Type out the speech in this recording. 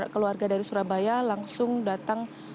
keluarga dari surabaya langsung datang